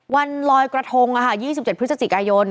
วันลอยกระทง๒๗พฤศจิกายน